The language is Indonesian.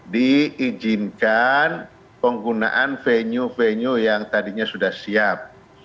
diizinkan penggunaan venue venue yang tadinya sudah siap